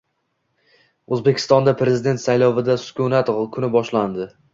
O‘zbekistonda Prezident saylovida Sukunat kuni boshlandi